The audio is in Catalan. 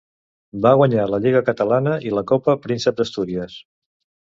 Va guanyar la Lliga catalana i la Copa Príncep d'Astúries.